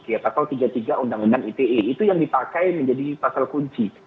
ya pasal tiga puluh tiga undang undang ite itu yang dipakai menjadi pasal kunci